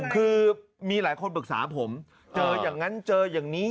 คือมีหลายคนปรึกษาผมเจออย่างนั้นเจออย่างนี้